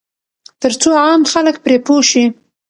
ترڅو عام خلک پرې پوه شي.